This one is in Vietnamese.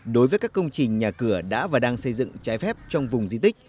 đối với các công trình nhà cửa đã và đang xây dựng trái phép trong vùng di tích